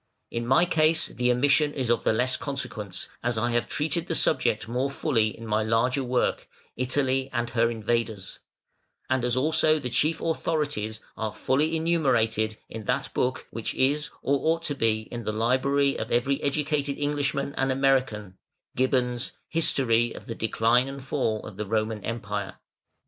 In my case the omission is of the less consequence, as I have treated the subject more fully in my larger work, "Italy and her Invaders", and as also the chief authorities are fully enumerated in that book which is or ought to be in the library of every educated Englishman and American, Gibbon's "History of the Decline and Fall of the Roman Empire".